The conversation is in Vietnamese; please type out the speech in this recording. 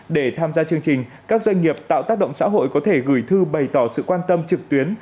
để tham gia chương trình các doanh nghiệp tạo tác động xã hội có thể gửi thư bày tỏ sự quan tâm trực tuyến